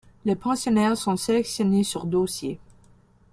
Les pensionnaires sont sélectionnés sur dossier.